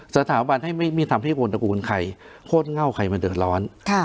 สถาบันให้ไม่มีทำให้คนตระกูลใครโคตรเง่าใครมาเดือดร้อน